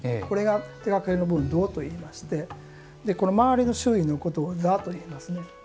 これが手がけの部分胴といいまして周りの周囲のことを座といいます。